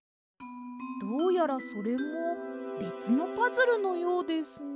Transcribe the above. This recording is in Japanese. どうやらそれもべつのパズルのようですね。